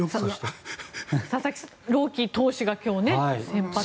佐々木朗希投手が今日先発。